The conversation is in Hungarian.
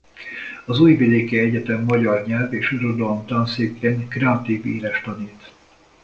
Az Újvidéki Egyetem Magyar Nyelv és Irodalom Tanszékén kreatív írást tanít.